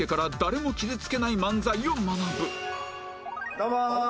どうもー！